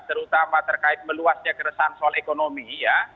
terutama terkait meluasnya keresahan soal ekonomi ya